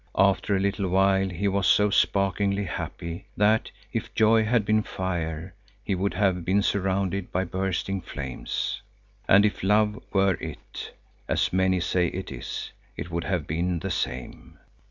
After a little while he was so sparklingly happy that, if joy had been fire, he would have been surrounded by bursting flames. And if love were it, as many say it is, it would have been the same.